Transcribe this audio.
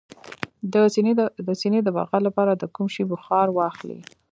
د سینې د بغل لپاره د کوم شي بخار واخلئ؟